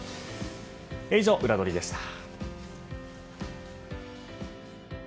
以上、ウラどりでした。